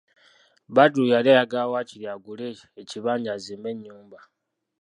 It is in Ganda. Badru yali ayagala waakiri agule ekibanja azimbe ennyumba.